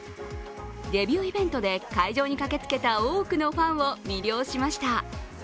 デビューイベントで会場に駆けつけた多くのファンを魅了しました。